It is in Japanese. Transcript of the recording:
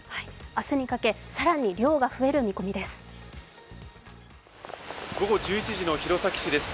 明日にかけ、更に量が増える見込みです。